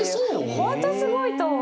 本当すごいと思う。